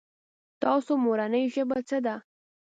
تاسو مورنۍ ژبه څه ده ؟